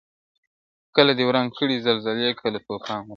• کله دي وران کړي زلزلې کله توپان وطنه -